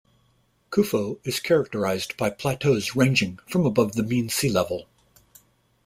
Kouffo is characterized by plateaus ranging from above the mean sea level.